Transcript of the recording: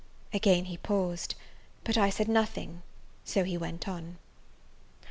Again he paused; but I said nothing, so he went on.